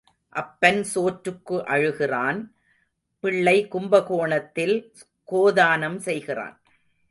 அப்பன் சோற்றுக்கு அழுகிறான் பிள்ளை கும்பகோணத்தில் கோதானம் செய்கிறான்.